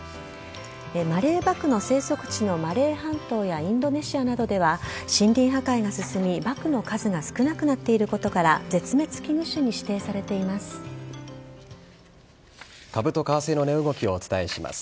マレーバクの生息地のマレー半島やインドネシアなどでは、森林破壊が進み、バクの数が少なくなっていることから、絶滅危惧種に指定されています。